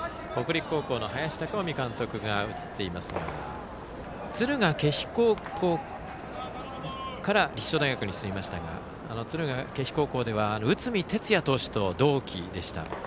北陸高校の林孝臣監督は敦賀気比高校から拓殖大学に進みましたが敦賀気比高校では内海哲也投手と同期。